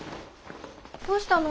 どうしたの？